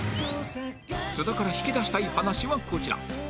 津田から引き出したい話はこちら